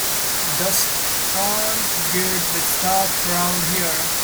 Just can't get the staff round here.